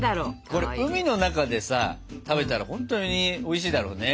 これ海の中でさ食べたらほんとにおいしいだろうね。